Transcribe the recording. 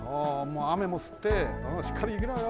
あめもすってしっかりいきろよ。